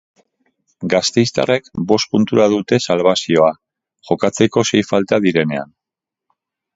Gasteiztarrek bost puntura dute salbazioa, jokatzeko sei falta direnean.